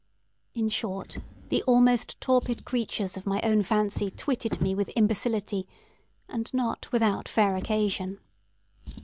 In short, the almost torpid creatures of my own fancy twitted me with imbecility, and not without fair occasion.